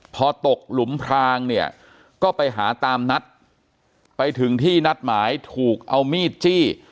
พอตกหลุมพรางเนี่ยก็ไปหาตามนัดไปถึงที่นัดหมายถูกเอามีดจี้